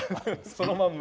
そのまんま？